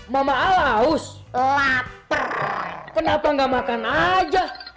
mama alaus lapar kenapa enggak makan aja